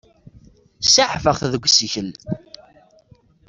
Saεfeɣ-t deg usikel.